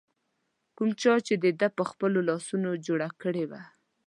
کوم چا د ده پر خپلو لاسونو جوړه کړې